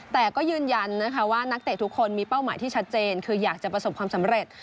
แต่ก็ยืนยันนะคะว่านักเตะทุกคนมีเป้าหมายที่ชัดเจนคืออยากจะประสบความสำเร็จ